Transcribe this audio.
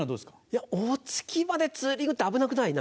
いや大月までツーリングって危なくない？